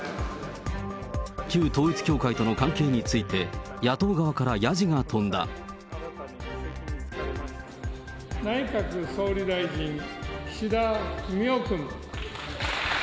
旧統一教会との関係について、内閣総理大臣、岸田文雄君。